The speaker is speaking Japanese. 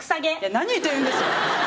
何言ってるんですか！